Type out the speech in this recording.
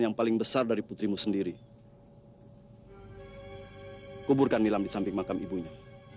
yang paling besar dari putrimu sendiri kuburkan nilam di samping makam ibunya